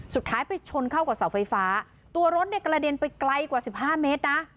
สุดท้ายไปชนเข้ากับเสาไฟฟ้าตัวรถเนี่ยกระเด็นไปไกลกว่าสิบห้าเมตรนะ